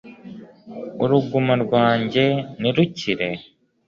uruguma rwanjye ntirukire